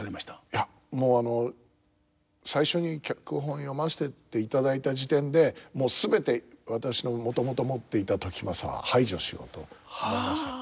いやもう最初に脚本を読ませていただいた時点でもう全て私のもともと持っていた時政は排除しようと思いました。